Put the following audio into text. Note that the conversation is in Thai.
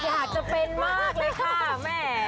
อยากจะเป็นมากเลยค่ะแม่